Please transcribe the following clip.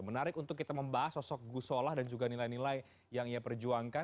menarik untuk kita membahas sosok gusola dan juga nilai nilai yang ia perjuangkan